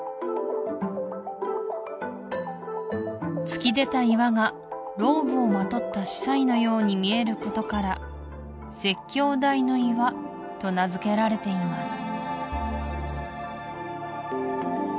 突き出た岩がローブをまとった司祭のように見えることから説教台の岩と名付けられています